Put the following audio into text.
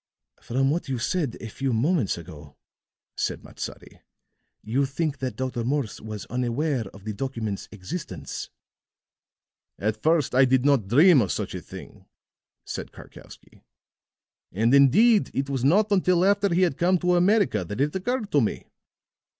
"From what you said a few moments ago," said Matsadi, "you think that Dr. Morse was unaware of the document's existence." "At first I did not dream of such a thing," said Karkowsky, "and, indeed, it was not until after he had come to America that it occurred to me.